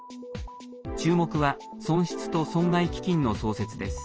注目は損失と損害基金の創設です。